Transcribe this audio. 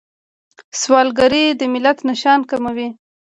سوالګري د ملت شان کموي